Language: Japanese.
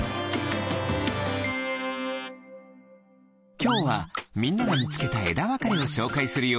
きょうはみんながみつけたえだわかれをしょうかいするよ。